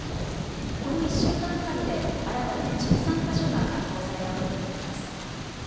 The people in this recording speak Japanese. この１週間余りで新たに１３か所が解放されたことになります。